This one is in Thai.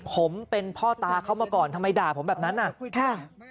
ผมเป็นพ่อตาเขามาก่อนทำไมด่าผมแบบนั้นอ่ะค่ะ